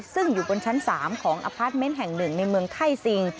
ซึ่งอยู่บนชั้น๓ของอพาร์ทเมนต์แห่ง๑ในเมืองไทยซิง